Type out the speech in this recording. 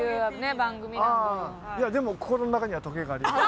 いやでも心の中にはトゲがあります。